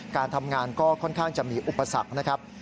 การทำงานก็ค่อนข้างจะมีอุปสรรคนะครับ